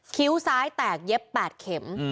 คิ้วซ้ายแตกเย็บ๘เข็ม